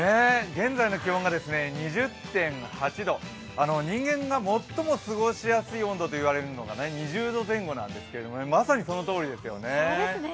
現在の気温が２０．８度、人間が最も過ごしやすい温度といわれるのが２０度前後なんですけれどもね、まさにそのとおりですね。